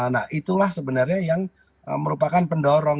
nah itulah sebenarnya yang merupakan pendorong